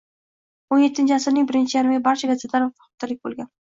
O'n yettinchi asrning birinchi yarmigacha barcha gazetalar haftalik bo‘lgan